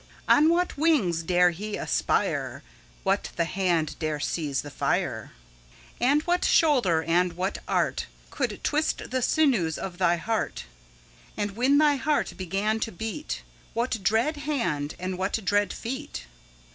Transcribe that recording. On what wings dare he aspire? What the hand dare seize the fire? And what shoulder and what art Could twist the sinews of thy heart? 10 And when thy heart began to beat, What dread hand and what dread feet?